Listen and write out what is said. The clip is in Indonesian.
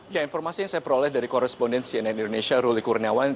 ya informasi yang saya peroleh dari koresponden cnn indonesia ruli kurniawan